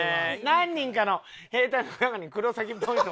何人かの兵隊の中に黒崎っぽいのが。